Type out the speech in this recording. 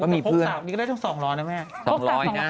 มีเพื่อนนี่ก็ได้ต้องส่องร้อนนะแม่ส่องร้อน